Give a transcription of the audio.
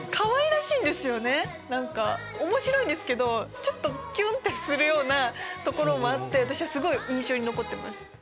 おもしろいんですけどちょっとキュンとするところもあって私はすごい印象に残ってます。